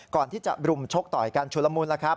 ก่อนที่จะรุ่มชกต่อยกันชุลมูล